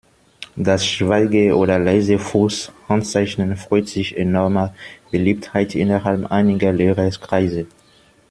Das Schweige- oder Leisefuchs-Handzeichen freut sich enormer Beliebtheit innerhalb einiger Lehrer-Kreise.